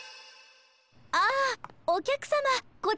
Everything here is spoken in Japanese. あおきゃくさまこちらへは。